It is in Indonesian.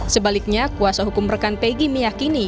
sebaliknya kuasa hukum rekan peggy meyakini